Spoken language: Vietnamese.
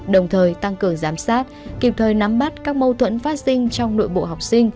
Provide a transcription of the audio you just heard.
đồng thời tăng cường giám sát kịp thời nắm bắt các mâu thuẫn phát sinh trong nội bộ học sinh